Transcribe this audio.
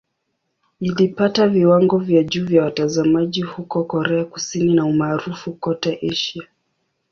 Ilipata viwango vya juu vya watazamaji huko Korea Kusini na umaarufu kote Asia.